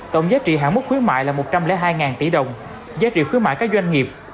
tổng giá trị hạng mức khuyến mại là một trăm linh hai tỷ đồng giá trị khuyến mại các doanh nghiệp